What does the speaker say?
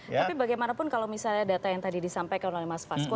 tapi bagaimanapun kalau misalnya data yang tadi disampaikan oleh mas fasko